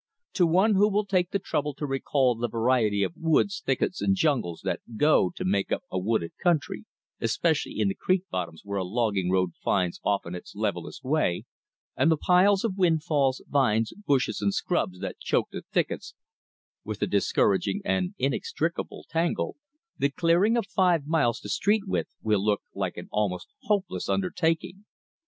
To one who will take the trouble to recall the variety of woods, thickets, and jungles that go to make up a wooded country especially in the creek bottoms where a logging road finds often its levelest way and the piles of windfalls, vines, bushes, and scrubs that choke the thickets with a discouraging and inextricable tangle, the clearing of five miles to street width will look like an almost hopeless undertaking.